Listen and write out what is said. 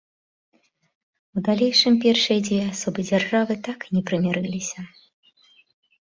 У далейшым першыя дзве асобы дзяржавы так і не прымірыліся.